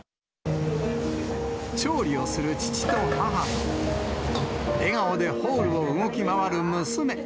調理をする父と母と、笑顔でホールを動き回る娘。